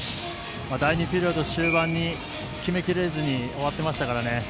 第２ピリオド終盤に決めきれずに終わってましたからね。